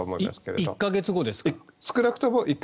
１か月後ですか？